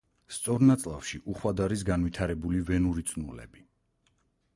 სწორ ნაწლავში უხვად არის განვითარებული ვენური წნულები.